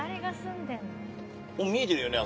もう見えてるよね